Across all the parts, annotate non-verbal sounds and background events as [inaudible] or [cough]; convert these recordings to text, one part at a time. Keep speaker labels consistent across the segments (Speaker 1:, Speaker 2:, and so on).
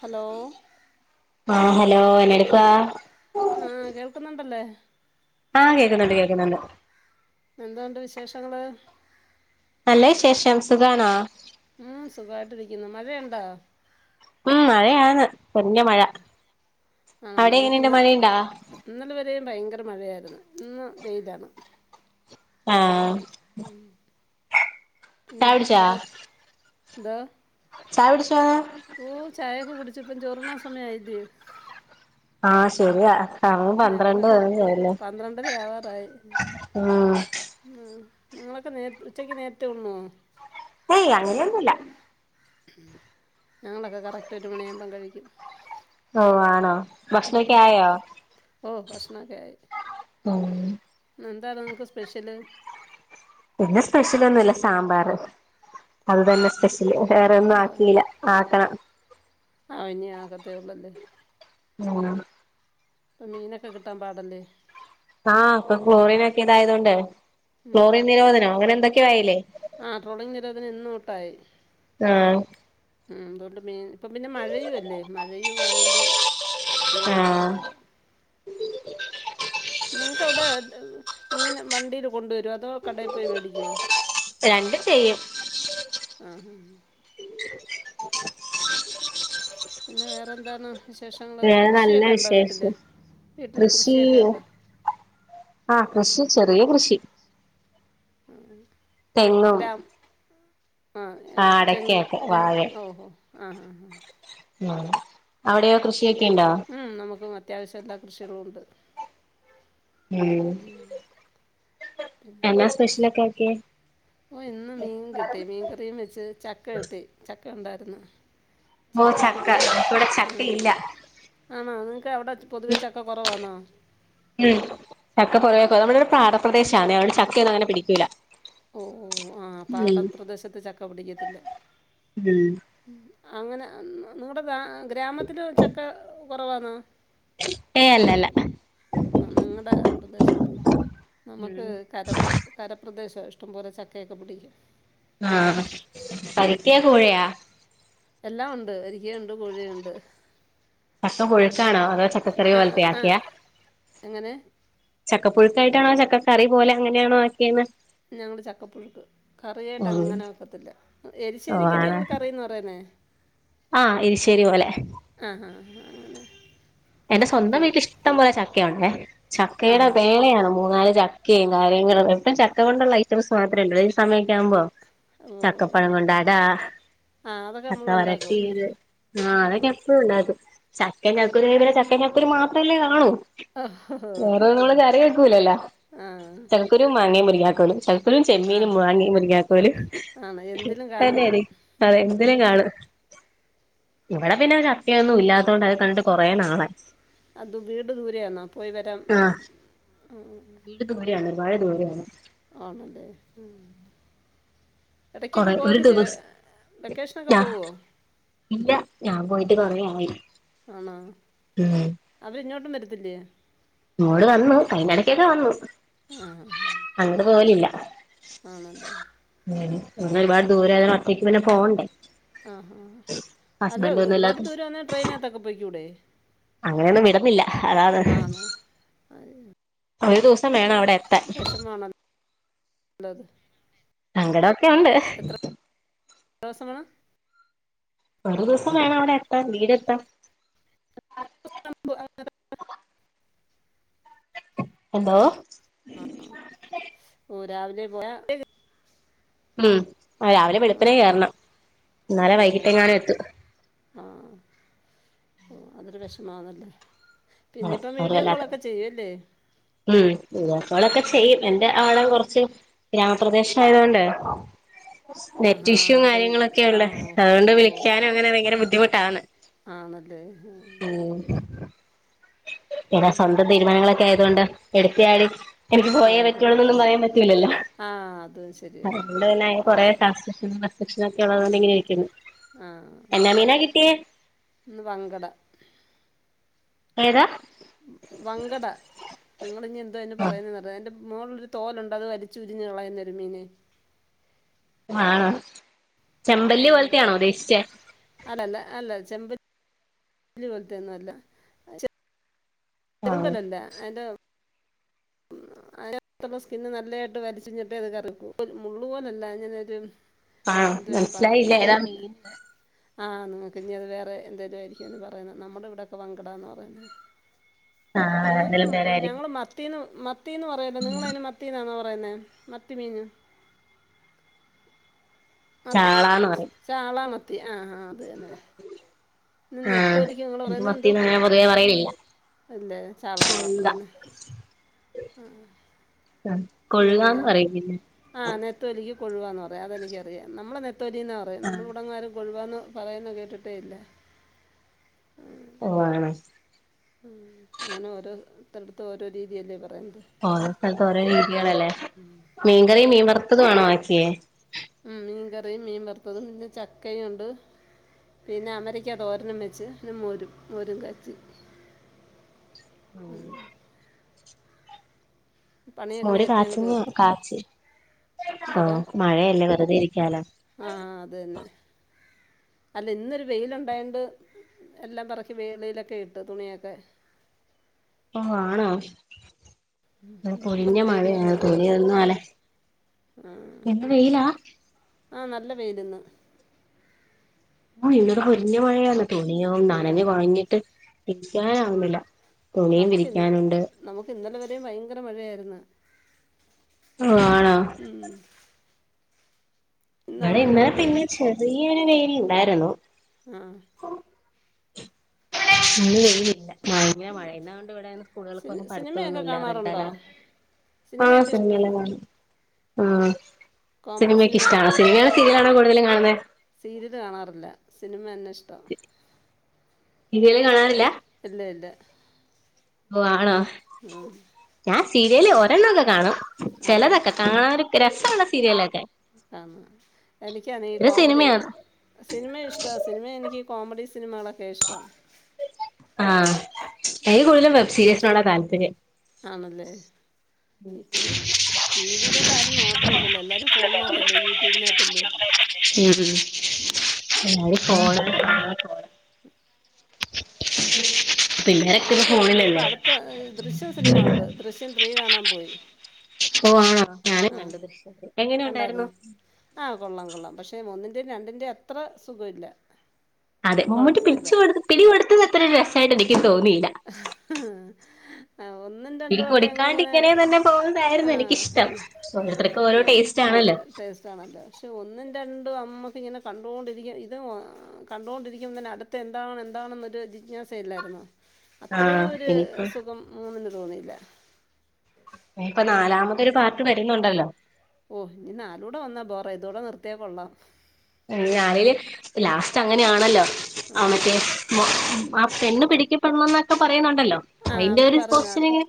Speaker 1: Hello
Speaker 2: ആഹ് hello എന്നെ എടുക്കുവാ?
Speaker 1: ആഹ് കേൾക്കുന്നുണ്ടല്ലേ
Speaker 2: ആഹ് കേക്കുന്നുണ്ട് കേക്കുന്നുണ്ട്
Speaker 1: എന്താണ്ട് വിശേഷങ്ങള്?
Speaker 2: നല്ല വിശേഷം സുഖാണോ?
Speaker 1: ഉം സുഖയിട്ടിരിക്കുന്നു മഴയ്ണ്ടോ?
Speaker 2: ഉം മഴയാണ് പൊരിഞ്ഞ മഴ
Speaker 1: ആണോ
Speaker 2: അവിടെ
Speaker 1: നമുക്ക്
Speaker 2: എങ്ങനെയുണ്ട്
Speaker 1: ഇന്നൽ
Speaker 2: മഴയുണ്ടാ
Speaker 1: ഇന്നലെ വരെയും ഭയങ്കര മഴയായിരുന്നു ഇന്ന് വെയിലാണ്
Speaker 2: ആഹ്
Speaker 1: ഉം പിന്നെ
Speaker 2: ചായ കുടിച്ചാ
Speaker 1: വേറെ ന്തോ
Speaker 2: ചായ കുടിച്ചാ?
Speaker 1: ഓ ചായയൊക്കെ കുടിച്ച്‌ ഇപ്പ ചോറ്ണ്ണാൻ സമയ ആയില്ലേ
Speaker 2: ആഹ് ശെരിയാ അങ്ങ് പന്ത്രണ്ട്
Speaker 1: ഞങ്ങളൊക്കെ
Speaker 2: പരം ചെയല്ല
Speaker 1: പന്ത്രണ്ടര
Speaker 2: ഉമ്
Speaker 1: ആഹ് നിങ്ങളൊക്കെ നേ ഉച്ചക്ക് നേരട്ടേ ഉണോ
Speaker 2: ഏയ് അങ്ങനെയൊന്നുല്ല
Speaker 1: ഞങ്ങളൊക്കെ കറക്റ്റ് ഒരു മണിയ ആകുമ്പം കഴിക്കും
Speaker 2: ഓ ആണോ
Speaker 1: ഉം
Speaker 2: ഭക്ഷണമക്കെ ആയോ
Speaker 1: ഓ എന്താ നിങ്ങക്ക് സ്പെഷ്യല്
Speaker 2: പിന്നെ സ്പെഷ്യൽ ഒന്നല്ല സാമ്പാർ അത് തന്നെ സ്പെഷ വേറെ ഒന്നും
Speaker 1: ആ
Speaker 2: ആക്കിയില്ല ആക്കണം
Speaker 1: ആഹ് ഇനി ആകത്തേ ഉള്ളല്ലേ
Speaker 2: ഉം
Speaker 1: ഇപ്പൊ മീനൊക്കെ കിട്ടാൻ പാടല്ലേ
Speaker 2: ആഹ് അപ്പൊ ക്ലോറൻ ഒക്കെ ഇതായതൊണ്ട് ക്ലോറിൻ നിരോധനം അങ്ങനെ എന്തൊക്കെയ ആയല്ലേ
Speaker 1: ആഹ് ട്രോളിങ് നിരോധന ഇന്നു തൊട്ടായി
Speaker 2: ആഹ്
Speaker 1: മ്മ് അതുകൊണ്ട് മീൻ ഇപ്പം പിന്നെ മഴയുമ അല്ലേ മഴയയും ആയൊണ്ട് മീൻ കിട്ടാൻ
Speaker 2: ആഹ്
Speaker 1: പാട നിങ്ങൾക്ക അവിടെ മീൻ വണ്ടിയിൽ കൊണ്ടുവരുമോ അതോ കടയിൽ പോയി മേടിക്കുമോ
Speaker 2: രണ്ടും ചെയ്യും
Speaker 1: ആഹ് ആഹ് പിന്നെ വേറെ എന്താണ് വിശേഷങ്ങൾ
Speaker 2: വേറെ നല്ല
Speaker 1: കൃഷിയൊക്കെ ഉണ്ടോ വീട്ടില്
Speaker 2: വിശേഷം
Speaker 1: വീട്ടിൽ
Speaker 2: കൃഷി
Speaker 1: കൃഷിയൊക്കെ ഉണ്ടോ
Speaker 2: ആഹ് കൃഷി ചെറിയ കൃഷി
Speaker 1: മ്മ്
Speaker 2: തെങ്ങും
Speaker 1: ആഹ് തെങ്ങ്
Speaker 2: അടക്കയൊക്കെ വാഴ
Speaker 1: ഓ ഹോ ആ ഹാ ഹാ
Speaker 2: ആ അവിടെയോ കൃഷിയൊക്കെ ഉണ്ടോ
Speaker 1: ഉമ് നമുക്ക് അത്യാവശ്യം എല്ലാ കൃഷികളും ഉണ്ട്
Speaker 2: ഉം
Speaker 1: മ്മ്
Speaker 2: എന്താ സ്പെഷ്യലൊക്കെ ആക്കെ
Speaker 1: ഓ ഇന്ന് മീൻ കിട്ടി മീൻ കറിയം വെച്ച് ചക്ക കിട്ടി ചക്ക ഉണ്ടായിരുന്നു
Speaker 2: ഓ
Speaker 1: ചക്ക കൂട്ടൻ
Speaker 2: ഇവിടെ
Speaker 1: മ്മ്
Speaker 2: ചക്കയില്ല
Speaker 1: ആണോ നിങ്ങൾക്ക് അവിടെ പൊതുവേ ചക്ക കുറവാണോ
Speaker 2: ഉമ് ചക്ക പൊതുവേക്കറവ നമ്മുടെ ഒരു പാടപ്രദേശാണ് അവിടെ ചക്കയന്നും അങ്ങനെ പിടിക്കൂല
Speaker 1: ഓഹ് ഓഹ് ആഹ്
Speaker 2: ഉം
Speaker 1: പാടപ്രദേശത്ത് ചക്ക പിടിക്കത്തില്ല
Speaker 2: ഉം
Speaker 1: അങ്ങനെ നിങ്ങളുടെ ഗ്ര ഗ്രാമത്തില ചക്ക കുറവാന്നോ
Speaker 2: ഏയ് അല്ലല്ല
Speaker 1: ആഹ് നിങ്ങടെ പ്രദേശത്ത് നമുക്ക്
Speaker 2: ഉം
Speaker 1: കര കരപ്രദേശോ ഇഷ് ഒട്ട പോലെ ചക്കയൊക്കെ പിടിക്കും
Speaker 2: ആഹ് പരിക്കയാ കോഴയാ
Speaker 1: എല്ലാം ഉണ്ട് എരിക്കയുണ്ട് കോഴയുണ്ട്
Speaker 2: ചക്ക കൊഴുക്കാണോ അതോ ചക്കക്കറിയ
Speaker 1: ആ
Speaker 2: പോലപ്പ
Speaker 1: ആ
Speaker 2: ആക്കിയാ
Speaker 1: എങ്ങനെ
Speaker 2: ചക്കപ്പുഴുക്കായിട്ടാണോ ചക്കറി പോലെ അങ്ങനെയാണോ ആക്കിയന്ന്
Speaker 1: ഞങ്ങള് ചക്കപ്പുഴുക്ക് കറിയായിട്ട് അങ്ങനെ വെക്കത്തില്ല എരി
Speaker 2: ഓ
Speaker 1: ശരിക്കല്
Speaker 2: ആണ്
Speaker 1: ഞങ്ങള്ൾ കറിന്ന് പറയാനേ
Speaker 2: ആഹ് ഇരുശ്ശേരി പോലെ
Speaker 1: ആഹാ ആാ അങ്ങനെ
Speaker 2: എന്റെ സ്വന്തം വീട്ടിൽ
Speaker 1: ചക്കപ്പുഴുക്ക്
Speaker 2: ഇഷ്ടം പോലെ ചക്കയുണ്ടേ
Speaker 1: ആ
Speaker 2: ചക്കയുടെ
Speaker 1: ഹാ
Speaker 2: വേളയാണ് മൂന്നാല് ച ക്കെ കാര്യങ്ങള എപ്പും ചക്ക കൊണ്ടുള്ള ഐറ്റംസ് മാത്രേ ഒള്ളു ഈ സമയൊക്ക ആകുമ്പോ
Speaker 1: ഓ
Speaker 2: ചക്കപ്പഴം കൊണ്ടാടാ
Speaker 1: ആ അതൊക്കെ
Speaker 2: ചക്ക
Speaker 1: നമ്മൾ ഉണ്ടാക്കും
Speaker 2: വരട്ടീത് ആഹ് അതൊക്കെ എപ്പഴും ഉണ്ടാക്കും ചക്കൻ ചക്കുരി ആയാ പിന്നെ ചക്കൻ ചക്കുരി മാത്രമല്ലേ കാണൂ
Speaker 1: ഓഹോ
Speaker 2: വേറൊന്നും നമ്മള് കറി വെക്കൂലല്ലോ
Speaker 1: ആ
Speaker 2: ചക്കക്കുരു മാങ്ങേ മുരിങ്ങാ കോലും ക്കുരും
Speaker 1: ആ
Speaker 2: ചെമ്മീനും മാങ്ങേ മുരിങ്ങാക്കോലും
Speaker 1: ആണ് എന്തിലും കാണും
Speaker 2: തന്നെടി അതെ എന്തിലും കാണും ഇവിടെ പിന്നെ ചക്കയൊന്നും ഇല്ലാത്തത് കൊണ്ട് അത് കണ്ടിട്ട് കുറേ നാളായി
Speaker 1: അത് വീട് ദൂരെആന്നോ പോയി വരാം
Speaker 2: ആഹ്
Speaker 1: ആഹ് ആഹ്
Speaker 2: വീട് ദൂരെയാണ് ഒരുപാട് ദൂരെയാണ്
Speaker 1: ആണ്ലെ ആഹ് ഇടക്കൊക്കെ
Speaker 2: കൊറേ ഒരു
Speaker 1: പോകത്തില്ലേ
Speaker 2: ദിവസം
Speaker 1: വെക്കേഷനൊക്കെ
Speaker 2: ഞാ
Speaker 1: പോവോ
Speaker 2: ഇല്ല ഞാൻ പോയിട്ട് കൊറേയായി
Speaker 1: ആണോ അവരിങ്ങോട്ടും വരത്തില്ലേ
Speaker 2: ഇങ്ങോട് വന്നു കൈഞ്ഞടക്കൊക്കെ വന്നു
Speaker 1: ആ
Speaker 2: അങ്ങട്ട് പോലില്ല
Speaker 1: ആണല്ലെ
Speaker 2: ബെടന്ന് ഒരുപാട് ദൂരായത് കൊണ്ട് ഒറ്റയ്ക്ക് പിന്നെ പോണ്ടേ
Speaker 1: ആഹ് ആഹ് അല്ല
Speaker 2: ഹസ്ബൻഡ് ഒന്നും
Speaker 1: ഒരുപാട്
Speaker 2: ഇല്ലാത്ത
Speaker 1: ദൂരം ആണേൽ ട്രെയിനകത്തൊക്കെ പോയിക്കൂടെ
Speaker 2: അങ്ങനെയൊന്നും വിടന്നില്ല അതാണ്
Speaker 1: ആണോ അത്
Speaker 2: ഒരു ദിവസം വേണം അവിടെ എത്താൻ.
Speaker 1: ഉള്ളത്
Speaker 2: സങ്കടൊക്കെ ഉണ്ട്
Speaker 1: രോസം വേണം
Speaker 2: ഒരു ദിവസം വേണം അവിടെ എത്താൻ വീട് എത്താൻ.
Speaker 1: അലമ്പു
Speaker 2: എന്തോ
Speaker 1: ആഹ് ഓഹ് രാവിലെ പോയാ
Speaker 2: ഉം രാവിലെ
Speaker 1: ആ,
Speaker 2: വെളുപ്പിനെ കേറണം ഇന്നാലെ വൈകിട്ട് എങ്ങാനും എത്തു.
Speaker 1: ആഹ് ഓഹ് അതൊരു വിഷമാണല്ലേ
Speaker 2: ആഹ്
Speaker 1: പിന്നിപ്പം വീഡിയോ
Speaker 2: അയറിലല്ലാത്ത
Speaker 1: കോളൊക്കെ ചെയ്യുമല്ലേ
Speaker 2: ഉം ഉള്ളപ്പോളൊക്കെ ചെയ്യും എന്റെ ആളും കൊറച്ച് ഗ്രാമപ്രദേശം ആയതൊണ്ട്
Speaker 1: ആഹാ
Speaker 2: നെറ്റ് ഇഷ്യൂ
Speaker 1: അറി
Speaker 2: കാര്യങ്ങളും ഒക്കെയ
Speaker 1: ആ
Speaker 2: ഉള്ളേ
Speaker 1: ഓ ഹോ,
Speaker 2: അതുകൊണ്ട്
Speaker 1: ഓ
Speaker 2: വിളിക്കാനും അങ്ങനെ ഭയങ്കര ബുദ്ധിമുട്ടാന്ന്
Speaker 1: ആണല്ലേ ഏഹ്
Speaker 2: ഉം എടാ സ്വന്തം തീരുമാനങ്ങളൊക്കെ ആയതു കൊണ്ട് എടുത്തിയാടി എനിക്ക്
Speaker 1: ഓ
Speaker 2: പോയേ പറ്റൊള്ളൂന്നൊന്നും പറയാൻ പറ്റൂലല്ലോ.
Speaker 1: ആ അത് ശരിയാണ്
Speaker 2: അതൊണ്ട് തന്നെ കൊറെ ട്രാൻസക്ഷനും പെർഫെക്ഷനും ഒക്കെ ഉള്ളതുകൊണ്ട് ഇങ്ങനെ ഇരിക്കുന്നു.
Speaker 1: ആഹ്
Speaker 2: എന്നാ മീനാ കിട്ടിയേ
Speaker 1: ന്ന് വങ്കട
Speaker 2: ഏതാ
Speaker 1: വങ്കട നിങ്ങളിഞ്ഞി എന്തോ അയ്നു പറയുന്നേ അറിയോ അയിന്റെ മോളിലൊരു തോലുണ്ട് അത് വലച്ചുരിഞ്ഞ് കളയുന്ന ഒരു മീനെ
Speaker 2: ആണോ ചെമ്പല്ലി
Speaker 1: ആ.
Speaker 2: പോലത്തെയാണോ ഉദ്ദേശിച്ചെ
Speaker 1: അല്ലല്ല അല്ല ചെമ്പ ല്ലി പോലത്തെന്നു അല്ല
Speaker 2: ആഹ്
Speaker 1: എരുമ്പലല്ലേ അയ്ന്റെ [unintelligible] അതിനകത്തുള്ള സ്കിന്ന് നല്ലയിട്ട് വലിച്ചിഞ്ഞിട്ട് ഇത് കറിക്കൂ മുള്ളു പോലല്ല അങ്ങനൊരു.
Speaker 2: ആണോ
Speaker 1: എന്തുവന് പറയാൻ
Speaker 2: മനസ്സിലായില്ല ഏതാ മീൻ
Speaker 1: അറിയത്തില്ല. ആഹ് ആന്നു ഇനി അത് വേറെ എന്തേല ആരിക്കുംന്ന് പറയുന്ന നമ്മുടെ ഇവിടെയൊക്കെ വങ്കടാന്ന് പറയുന്നെ
Speaker 2: ആഹ്
Speaker 1: നിങ്ങളും
Speaker 2: അതിലും പേരായിരിക്കും
Speaker 1: ഞങ്ങളുംമാ ത്തിന്ന് മത്തിന്ന് പറയല്ലേ നിങ്ങളതിന് മത്തിന്നാണാണോ പറയുന്നെ മത്തി മീന് മ
Speaker 2: ചാളാന്ന് പറയും
Speaker 1: ചാളാ മത്തി ആഹ് ആഹ് അത് തന്നെ. ഇന്ന്
Speaker 2: ആ
Speaker 1: നെത്തോലിക്ക് നിങ്ങൾ
Speaker 2: മത്തിന്ന് അങ്ങനെ പൊതുവെ പറയാൽ ഇല്ല.
Speaker 1: ഇല്ലേ ചാളാന്ന് മാത്രെ അല്ലെ ആഹ് ആഹ്
Speaker 2: ആ കൊയ്യ്കന്ന് പറയും പിന്നെ
Speaker 1: ആ നെത്തോലിക്ക് കൊഴുവാന്ന് പറയും അതെനിക്ക്‌ അറിയാം നമ്മളെ നെത്തോലിന്നാ പറയാ നമ്മൾ ഇടങ്ങാരും കൊഴുവാന്ന് പറയുന്ന കേട്ടിട്ടേ ഇല്ല.
Speaker 2: ഓ ആണോ.
Speaker 1: അങ്ങനെ ഓരോ തടത്തും ഓരോ രീതിയല്ലേ പറയുന്നെ
Speaker 2: ഓരോ സ്ഥലത്ത് ഓരോ രീതികളല്ലേ മീൻകറിയും മീൻ വറുത്തത് ആണോ ആക്കിയേ.
Speaker 1: ഉം മീൻ കറിയും മീൻ വറുത്തതും പിന്നെ ചക്കയും ഉണ്ട്. പിന്നെ അമരിക്ക തോരനും വെച്ച് മോരും മോരും കച്ചി.
Speaker 2: ഉം
Speaker 1: പണിയൊക്കെ
Speaker 2: മോര്
Speaker 1: നേരത്തെ അങ്ങ്
Speaker 2: കാച്ച്ന്ന
Speaker 1: തീർത്ത്
Speaker 2: കാച്ച് ആ മഴയല്ലേ വെറുതെ ഇരിക്കാലോ.
Speaker 1: ആഹ് ആഹ് അതന്നെ. അല്ല ഇന്നൊരു വെയില് ഉണ്ടായണ്ട് എല്ലാം പെറക്കി വെ വെയിലൊക്കെ ഇട്ട് തുണിയൊക്കെ.
Speaker 2: അപ്പ ആണോ അ പൊരിഞ്ഞ
Speaker 1: ഇന്ന് വെയിൽ
Speaker 2: മഴയ തുണിയൊന്നും അല
Speaker 1: ആഹ് ആഹ്
Speaker 2: ഇന്ന് വെയിലാ?
Speaker 1: ആ നല്ല വെയില് ഇന്ന്.
Speaker 2: ആ ഇവിടെ പൊരിഞ്ഞ മഴയാണ് തുണിയോ
Speaker 1: ഇപ്പൊ ഞാൻ
Speaker 2: നനഞ്ഞ് കൊഴഞ്ഞിട്ട് ഇരിക്കാനാവുന്നില്ല. തുണിയും
Speaker 1: നമുക്ക് ഇന്ന്
Speaker 2: വിരിക്കാനുണ്ട്
Speaker 1: നമുക്ക് ഇന്നലെ വരെയും ഭയങ്കര മഴയായിരുന്നു.
Speaker 2: ഓ ആണോ?
Speaker 1: ഉം.
Speaker 2: ഇവിടെ
Speaker 1: ഇന്നാണൊരു
Speaker 2: ഇന്നലെ
Speaker 1: വെയിൽ
Speaker 2: പിന്നെ ചെറിയൊരു വെയിൽ ഉണ്ടാരുന്നു
Speaker 1: ആഹ്
Speaker 2: ഇന്ന് വെയില് ഇല്ല ഭയങ്കര മഴ ഇന്നാണ്ട് ഇവിടെ
Speaker 1: സിനി
Speaker 2: സ്കൂളുകൾക്കൊന്നും പഠിത്തം ഒന്നു
Speaker 1: സിനിമയൊക്കെ
Speaker 2: ഇല്ല റെഡ്
Speaker 1: കാണാറുണ്ടോ
Speaker 2: അലാർ ആഹ്
Speaker 1: സിനിമയൊക്കെ ഇഷ്ടമാണ്
Speaker 2: സംഗീലമാണ് ആ
Speaker 1: ആണോ കോമഡി
Speaker 2: സിനിമയൊക്കെ
Speaker 1: സിനിമയാണ്
Speaker 2: ഇഷ്ടണോ? സിനിമയാണോ സീരിയലണോ കൂടുതലും കാണുന്നെ?
Speaker 1: സീരിയല് കാണാറില്ല സിനിമ തന്നെ ഇഷ്ടം.
Speaker 2: സീരിയല് കാണാറില്ല?
Speaker 1: ഇല്ല ഇല്ല.
Speaker 2: ഓ ആണോ?
Speaker 1: ഉം
Speaker 2: ഞാൻ സീരിയല് ഒരണ്ണക്കെകാണും
Speaker 1: ആണോ
Speaker 2: ചിലതൊക്കെ കാണാനൊക്കെ രസഉള്ള സീരിയലൊക്കെ.
Speaker 1: ആന്ന് എനിക്കാണെ ഈ
Speaker 2: പിന്നെ
Speaker 1: കോമഡി
Speaker 2: സിനിമയാണ്
Speaker 1: സിനിമ ഇഷ്ടാ സിനിമ എനിക്ക് കോമഡി സിനിമകളൊക്കെയാ ഇഷ്ടം.
Speaker 2: ആഹ് എനിക്ക് കൂടുതലും വെബ് സീരീസിനോടാ താല്പര്യം.
Speaker 1: ആണല്ലേ ഇപ്പം ടിവിയിലോട്ട് ആരും നോട്ടം ഇല്ലല്ലോ എല്ലാരും ഫോണിനകത്തല്ലേ യൂട്യൂബിനത്തല്ലേ?
Speaker 2: ഉം ഉം എല്ലാരു ഫോണെ കണം ഫോൺ
Speaker 1: ഈ ഞങ്ങളിപ്പോ ഇപ്പൊ അടുത്ത ദൃശ്യം സിനിമ കണ്ട്. ദൃശ്യം ത്രീ കാണാൻ പോയി.
Speaker 2: ഓ ആണോ ഞാനും
Speaker 1: ആ
Speaker 2: കണ്ട് ദൃശ്യം ത്രി
Speaker 1: കണ്ടായിരുന്നോ? ആഹ് കൊള്ളാം കൊള്ളാം പക്ഷേ ഒന്നിന്റെയും രണ്ടിന്റെയും അത്ര സുഖമില്ല.
Speaker 2: അതെ മമ്മൂട്ടി
Speaker 1: കുഴപ്പമില്ല
Speaker 2: പിടിച്ച് കൊടു പിടി കൊടുത്തത് അത്ര ഒരു രസമായിട്ട് എനിക്ക് തോന്നിയില്ല.
Speaker 1: ആഹാ ആഹ് ഒന്നും രണ്ടു
Speaker 2: പിടി
Speaker 1: ഒക്കെ
Speaker 2: കൊടുക്കാണ്ട്
Speaker 1: ഇങ്ങനെ
Speaker 2: തന്നെ
Speaker 1: ആ
Speaker 2: പോകുന്നതായിരുന്നു എനിക്കിഷ്ടം ഓരോരുത്തർക്ക് ഓരോ
Speaker 1: പി
Speaker 2: ടേസ്റ്റ്
Speaker 1: ആഹ്
Speaker 2: ആണല്ലോ
Speaker 1: ടേസ്റ്റ് ഇതണല്ലോ. പക്ഷേ ഒന്നും രണ്ടും നമ്മക്ക് ഇങ്ങനെ കണ്ടുകൊണ്ടിരിക്കും ഇത് കണ്ടുകൊണ്ടിരിക്കുമ്പ തന്നെ അടു ത് എന്താണ് എന്താണന്നൊരു ജിജ്ഞാസഅല്ലായിരുന്നോ?
Speaker 2: ആഹ്
Speaker 1: അത്രയും ഒരു
Speaker 2: ഇനിയിപ്പോ
Speaker 1: സുഖം മൂന്നിന് തോന്നിയില്ല.
Speaker 2: ഇപ്പൊ നാലാമതൊരു പാർട്ട് വരുന്നുണ്ടല്ലോ?
Speaker 1: ഓ ഇനി നാലൂടെ വന്നാ ബോറ ഇതോടെ നിർത്തിയാ കൊള്ളാം.
Speaker 2: ഞാനേല് ലാസ്റ്റ് അങ്ങനെയാണല്ലോ ആ മറ്റേ ആ പെണ്ണ് പിടിക്കപ്പെടണം എന്നൊക്കെ പറയുന്നുണ്ടല്ലോ?
Speaker 1: ആഹ്
Speaker 2: അതിന്റെ
Speaker 1: അവര്
Speaker 2: ഒരു
Speaker 1: പറയുന്ന
Speaker 2: പൊസിഷൻ
Speaker 1: അത്
Speaker 2: ഇങ്ങനെ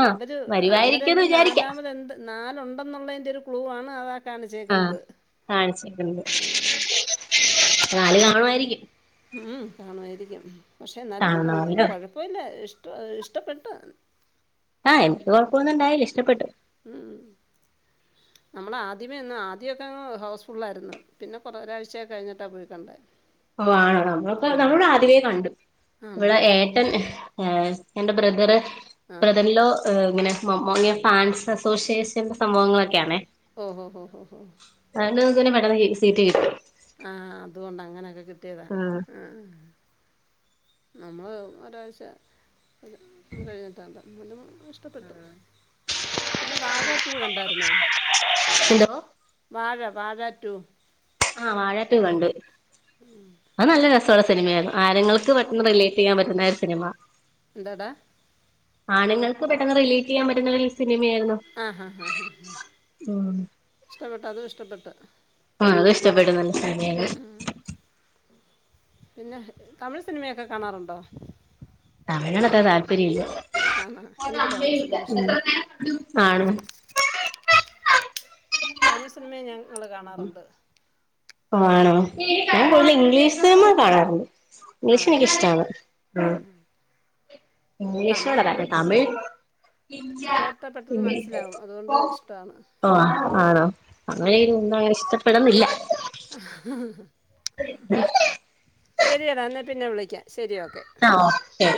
Speaker 2: ആഹ്
Speaker 1: അവര് അന്നേരം
Speaker 2: വരുവായിരിക്കുംന്ന്
Speaker 1: ഇന്
Speaker 2: വിചാരിക്കാം
Speaker 1: നാലാമത്എന്ത് നാലുണ്ടെന്നുള്ളതിൻ്റെ ഒരു ക്ലൂ ആണ് അതാ
Speaker 2: ആഹ്
Speaker 1: കാണിച്ചേക്കുന്നത്.
Speaker 2: കാണിച്ചേക്കുന്നത്. നാലു കാണുമായിരിക്കും.
Speaker 1: മം കാണുമായിരിക്കും. പക്ഷെ എന്നാലും
Speaker 2: കാണണമല്ലോ
Speaker 1: കുഴപ്പമില്ല ഇഷ്ട ഇഷ്ടപ്പെട്ട്.
Speaker 2: അഹ് എനിക്ക് കുഴപ്പൊന്നുണ്ടായില ഇഷ്ടപ്പെട്ടു.
Speaker 1: ഉം ഉം ഉം നമ്മള് ആദ്യമേ ഇന്ന് ആദ്യമൊക്കെ അങ്ങ് ഹൗസ്ഫുള്ളായിരുന്നു. പിന്നെ കുറ ഒരാഴ്ച ഒക്കെ കഴിഞ്ഞിട്ടാണ് പോയികണ്ടേ
Speaker 2: ഓ ആണോ? നമ്മളക്ക നമ്മള് ഇവിടെ ആദ്യമേ കണ്ടു.
Speaker 1: ആണോ
Speaker 2: ഇവിടെ ഏ ട്ടൻ, എന്റെ ബ്രദറ്,
Speaker 1: ആഹ്
Speaker 2: ബ്രദറിൻലോ ഹ് ഇങ്ങനെ മ അങ്ങനെ ഫാൻസ് അസോസിയേഷൻ സംഭവങ്ങളൊക്കെയാണേ.
Speaker 1: ഓ ഹോ ഹോ ഹോ
Speaker 2: ഞങ്ങക്ക് പിന്നെ മറ്റന്നാ സീറ്റ് കിട്ടും.
Speaker 1: ആഹ് അതുകൊണ്ട് അങ്ങനെയൊക്കെ കിട്ടിയതാണ്. ആഹ് ആഹ് നമ്മൾ ഒരാഴ്ച കഴിഞ്ഞിട്ട്ണ്ട് ന്നാലും പ്പത്തട്ടും പിന്നെ വാഴ ടൂ കണ്ടാര്ന്നോ
Speaker 2: എന്തോ
Speaker 1: വാഴ വാഴാ ടു
Speaker 2: ആഹ് വാഴ ടു കണ്ടു
Speaker 1: മ്
Speaker 2: അത് നല്ല രസോള്ള സിനിമയാരുന്നു ആരങ്ങൾക്ക് പെട്ടെന്ന് റിലേറ്റ് ചെയ്യാൻ പറ്റ്ന്ന ഒരു സിനിമ
Speaker 1: ന്തടാ
Speaker 2: ആണ്ങ്ങൾക്ക് പെട്ടെന്ന് റിലേറ്റ് ചെയ്യാൻ പറ്റ്ന്ന സിനിമയായിരുന്നു
Speaker 1: ആ ഹാ
Speaker 2: മ്
Speaker 1: ഇഷ്ടപ്പെട്ട് അതും ഇഷ്ടപ്പെട്ട്
Speaker 2: ആഹ് അത് ഇഷ്ടപ്പെട്ടു നല്ല സിനിമേണ്
Speaker 1: പിന്നെ തമിഴ് സിനിമയൊക്കെ കാണാറുണ്ടോ
Speaker 2: തമിഴ്നത്ര താല്പര്യല്ല
Speaker 1: ആണോ എനിക്ക് തമിഴ് സിനിമ ഇഷ്ടമാണ്
Speaker 2: മ് ആണ്
Speaker 1: ഏ തമിഴ് സിനിമയും ഞങ്ങൾ കാണാറുണ്ട്
Speaker 2: ആണോ ഞാൻ
Speaker 1: ആ
Speaker 2: ഫുള്ള് ഇംഗ്ലീഷ് സിനിമ കാണാറ്ണ്ട് ഇംഗ്ലീഷ്
Speaker 1: ആണല്ലേ
Speaker 2: എനിക്കിഷ്ടാണ്
Speaker 1: ആ
Speaker 2: മ്
Speaker 1: തമിഴ്
Speaker 2: ഇംഗ്ലീഷ്നോടാ
Speaker 1: പിന്നെ
Speaker 2: താല്പര്യം തമിഴ്
Speaker 1: കേട്ടാൽ പെട്ടെന്ന് മനസ്സിലാവും അതുകൊണ്ട് ഇഷ്ടമാണ്
Speaker 2: ഓഹ് ആണോ തമിഴ് ഒന്നും അങ്ങനെ ഇഷ്ടപ്പെട്ന്നില്ല
Speaker 1: ശരിയടാ എന്നാ പിന്നെ വിളിക്കാം ശരി ഓക്കെ
Speaker 2: ആ ഓക്കെ